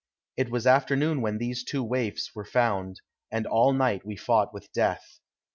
It was afternoon when these two waifs were found, and all night we fought with death.